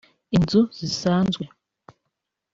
inzu zisazwe